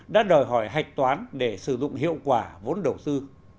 đã đòi hỏi hạch toán để sử dụng hiệu quả vốn đầu tư